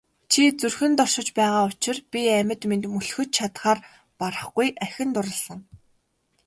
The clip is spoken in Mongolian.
Чи зүрхэнд оршиж байгаа учир би амьд мэнд мөлхөж чадахаар барахгүй ахин дурласан.